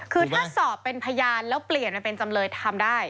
คือถ้าสอบเป็นพยานแล้วเปลี่ยนมาเป็นจำเลยทำได้